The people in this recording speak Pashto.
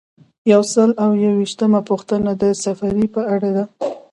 یو سل او یو ویشتمه پوښتنه د سفریې په اړه ده.